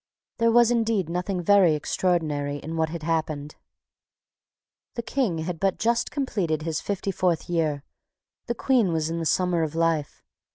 There was indeed nothing very extraordinary in what had happened. The King had but just completed his fifty fourth year. The Queen was in the summer of life.